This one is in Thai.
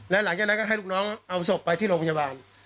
แล้วหลังจากนั้นก็ให้ลูกน้องเอาศพไปที่โรงพยาบาล